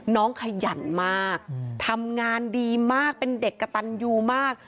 ขยันมากทำงานดีมากเป็นเด็กกระตันยูมาก